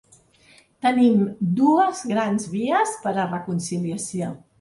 Tenim dues grans vies per a reconciliació.